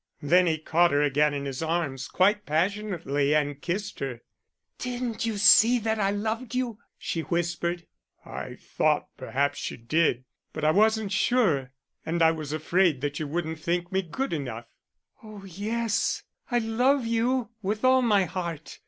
Then he caught her again in his arms, quite passionately, and kissed her. "Didn't you see that I loved you?" she whispered. "I thought perhaps you did; but I wasn't sure, and I was afraid that you wouldn't think me good enough." "Oh yes, I love you with all my heart.